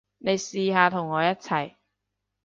你試下同我一齊